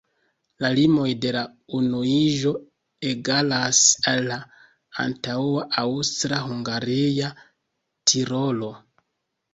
La limoj de la unuiĝo egalas al la antaŭa aŭstra-hungaria Tirolo.